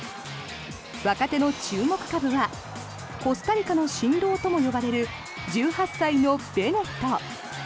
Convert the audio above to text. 若手の注目株はコスタリカの神童ともいわれる１８歳のベネット。